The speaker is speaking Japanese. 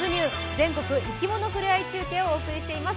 全国いきものふれあいウイークをお届けしています。